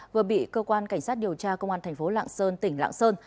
vừa bị cơ quan cảnh sát điều tra công an thành phố lạng sơn tỉnh lạng sơn